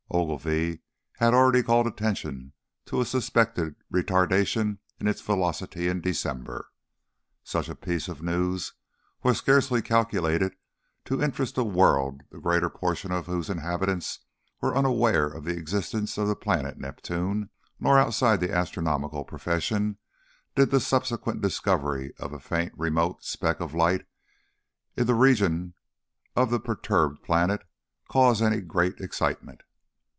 Ogilvy had already called attention to a suspected retardation in its velocity in December. Such a piece of news was scarcely calculated to interest a world the greater portion of whose inhabitants were unaware of the existence of the planet Neptune, nor outside the astronomical profession did the subsequent discovery of a faint remote speck of light in the region of the perturbed planet cause any very great excitement.